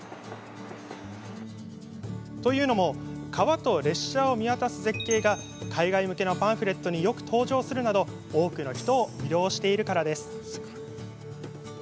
というのも川と列車を見渡す絶景が海外向けのパンフレットによく登場するなど多くの人を魅了しているからです。